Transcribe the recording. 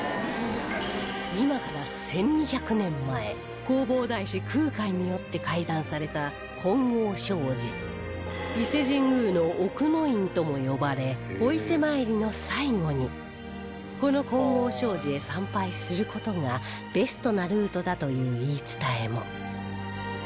今から１２００年前弘法大師空海によって開山された金剛證寺とも呼ばれお伊勢参りの最後にこの金剛證寺へ参拝する事がベストなルートだという言い伝えも